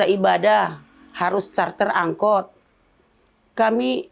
ibu rumah tangga